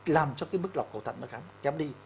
làm cho cái mức lọc cầu thận nó kém đi